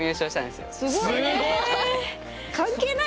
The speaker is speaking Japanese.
すごい！